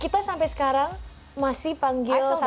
kita sampai sekarang masih panggil satu sama